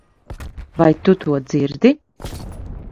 Vai tu to dzirdi?